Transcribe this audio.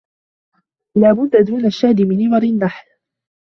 لا بد دون الشهد من إبر النحل